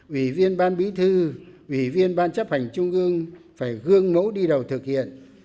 ủy viên ban bí thư ủy viên ban chấp hành trung ương phải gương mẫu đi đầu thực hiện